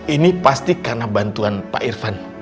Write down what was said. ini pasti karena bantuan pak irfan